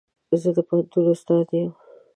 زه د پوهنتون استاد يم.